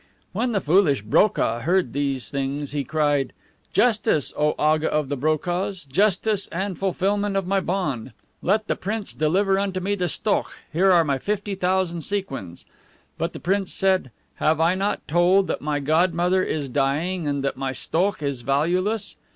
When the foolish BROKAH heard these things he cried, "Justice, O Aga of the BROKAHS, justice and the fulfilment of my bond! Let the prince deliver unto me the STOKH. Here are my fifty thousand sequins." But the prince said, "Have I not told that my godmother is dying, and that my STOKH is valueless?"